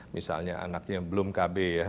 misalnya anaknya belum kb ya